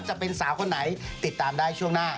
จะเป็นสาวคนไหนติดตามได้ช่วงหน้า